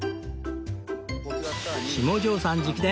下城さん直伝！